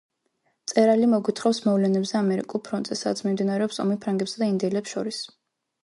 მწერალი მოგვითხრობს მოვლენებზე ამერიკულ ფრონტზე, სადაც მიმდინარეობს ომი ფრანგებსა და ინდიელებს შორის.